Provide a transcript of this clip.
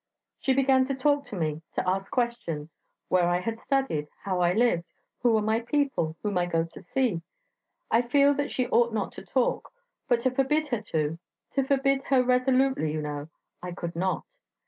She began to talk to me, to ask me questions; where I had studied, how I lived, who are my people, whom I go to see. I feel that she ought not to talk; but to forbid her to to forbid her resolutely, you know I could not.